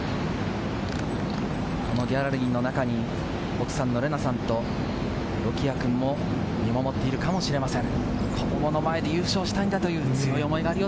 ギャラリーの中に奥さんの玲奈さんと息子さんも思っているかもしれません。